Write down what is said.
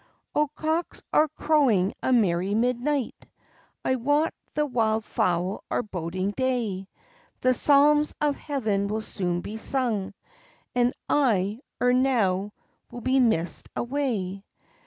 "O, cocks are crowing a merry midnight, I wot the wild fowl are boding day; The psalms of heaven will soon be sung, And I, ere now, will be missed away."